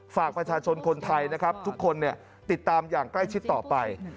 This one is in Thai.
ฝากประชาชนคนไทยนะครับทุกคนติดตามอย่างใกล้ชิดต่อไป